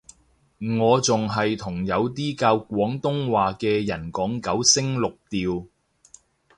我仲係同有啲教廣東話嘅人講九聲六調